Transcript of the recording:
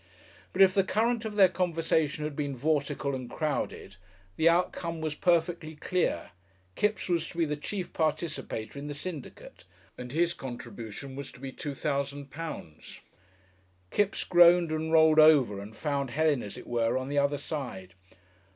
But if the current of their conversation had been vortical and crowded, the outcome was perfectly clear. Kipps was to be the chief participator in the syndicate, and his contribution was to be two thousand pounds. Kipps groaned and rolled over and found Helen, as it were, on the other side.